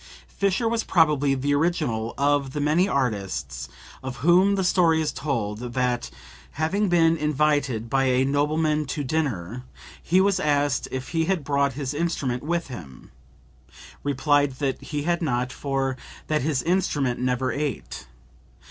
[Fischer was probably the original of the many artists of whom the story is told that, having been invited by a nobleman to dinner, he was asked if he had brought his instrument with him, replied that he had not, for that his instrument never ate.